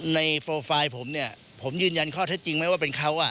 โปรไฟล์ผมเนี่ยผมยืนยันข้อเท็จจริงไหมว่าเป็นเขา